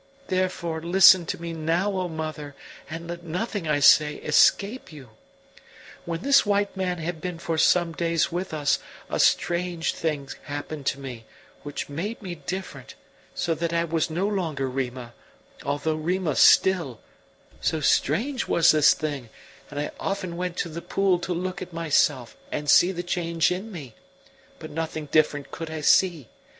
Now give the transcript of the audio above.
Therefore listen to me now, O mother, and let nothing I say escape you. "When this white man had been for some days with us, a strange thing happened to me, which made me different, so that I was no longer Rima, although Rima still so strange was this thing; and I often went to the pool to look at myself and see the change in me, but nothing different could I see.